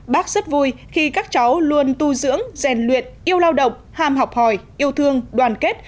bác rất vui khi các cháu luôn tu dưỡng rèn luyện yêu lao động ham học hỏi yêu thương đoàn kết